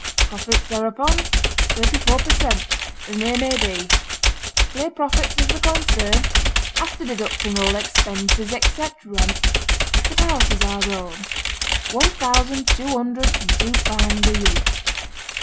Profits thereupon thirty four per cent. as near as may be. Clear profits of the concern, after deducting all expenses except rent for t' house is our own one thousand two hundred and two pound a year.'